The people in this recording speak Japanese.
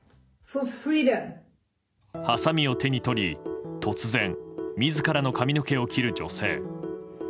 はさみを手に取り突然、自らの髪の毛を切る女性。